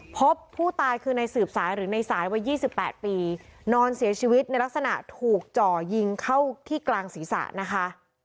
พบผู้ตายคือในสืบสายหรือในสายวัย๒๘ปีนอนเสียชีวิตในลักษณะถูกจ่อยิงเข้าที่กลางศีรษะนะคะ